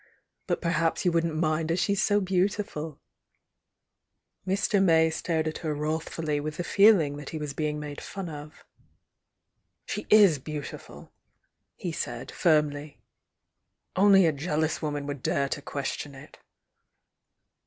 But perhaps you wouldn't mind as she's so beautiful'" Mr. May stared at her wrathfully with the feel mg that he was being made fun of. "She is beautiful!" he said, firmly. "Only a jeal ous woman would dare to question it!"